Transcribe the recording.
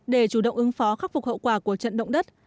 để chủ động ứng phó khắc phục hậu quả của trận động đất